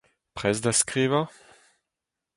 Prest da skrivañ ?